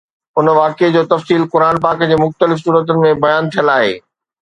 ان واقعي جو تفصيل قرآن پاڪ جي مختلف سورتن ۾ بيان ٿيل آهي